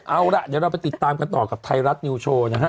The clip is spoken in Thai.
เอาล่ะเดี๋ยวเราไปติดตามกันต่อกับไทยรัฐนิวโชว์นะฮะ